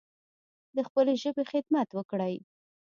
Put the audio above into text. د خپلې ژبې خدمت وکړﺉ